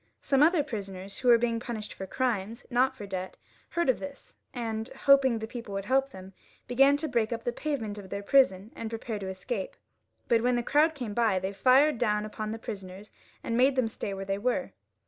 Some other prisoners who were being punished for crimes, not for debt, heard of this, and hoping the people would help them, began to break up the pavement of their prison and prepare to escape; but when the crowd came by they fired. down upon the prisoners and made them stay where they were.